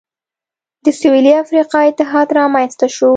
د سوېلي افریقا اتحاد رامنځته شو.